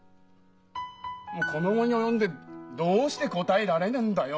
この期に及んでどうして答えられねえんだよ？